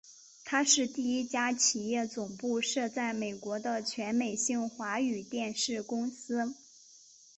它是第一家企业总部设在美国的全美性华语电视公司。